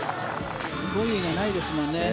ボギーがないですもんね。